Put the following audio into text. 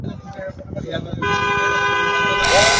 জগতে যত শক্তির বিকাশ দেখা যায়, সবই সেই মা।